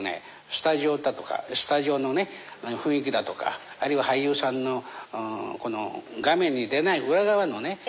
スタジオだとかスタジオの雰囲気だとかあるいは俳優さんの画面に出ない裏側のね